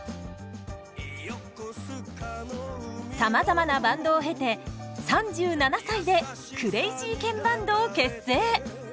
さまざまなバンドを経て３７歳でクレイジーケンバンドを結成。